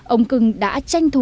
ông cưng đã tranh thủ